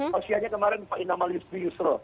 ini kelasnya kemarin pak inam ali yusro